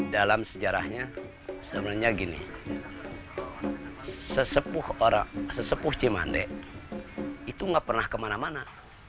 dalam sejarahnya sebenarnya gini sesepuh cimande itu nggak pernah kemana mana